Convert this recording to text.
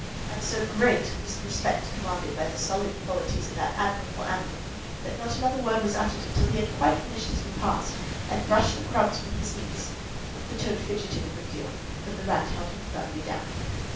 And so great was the respect commanded by the solid qualities of that admirable animal, that not another word was uttered until he had quite finished his repast and brushed the crumbs from his knees. The Toad fidgeted a good deal, but the Rat held him firmly down.